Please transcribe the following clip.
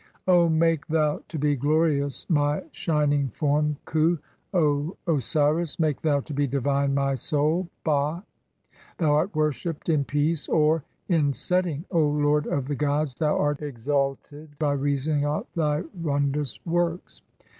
O make thou to be glorious my shining form "(klw), O Osiris, (14) make thou to be divine my soul (ba)\ "Thou art worshipped [in] peace (or [in] setting), O lord of the "gods, thou art exalted by reason of thy wondrous works.